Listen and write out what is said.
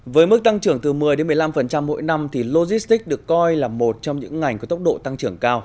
với mức tăng trưởng từ một mươi một mươi năm mỗi năm logistics được coi là một trong những ngành có tốc độ tăng trưởng cao